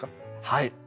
はい。